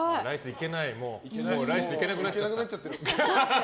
ライスいけなくなっちゃったもう。